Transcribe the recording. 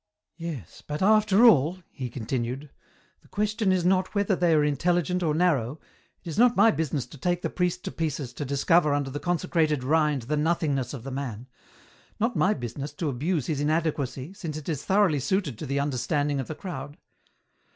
" Yes, but after all," he continued, " the question is not whether they are intelligent or narrow, it is not my business to take the priest to pieces to discover under the consecrated rind the nothingness of the man ; not my business to abuse his inadequacy since it is thoroughly suited to the under standing of the crowd.